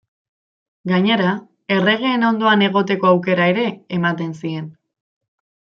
Gainera erregeen ondoan egoteko aukera ere ematen zien.